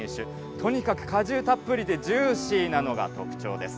とにかく果汁たっぷりで、ジューシーなのが特徴です。